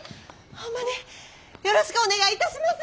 ホンマによろしくお願いいたします！